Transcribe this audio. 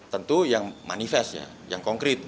tentu yang manifest ya yang konkret